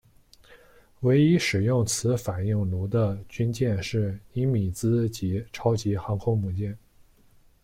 唯一使用此反应炉的军舰是尼米兹级超级航空母舰。